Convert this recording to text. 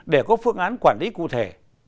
để có phương án quản lý cụ thể